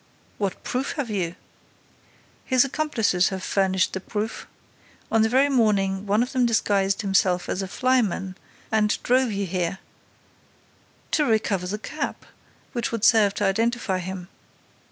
"What proof have you?" "His accomplices have furnished the proof. On the very morning, one of them disguised himself as a flyman and drove you here—" "To recover the cap, which would serve to identify him."